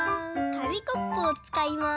かみコップをつかいます。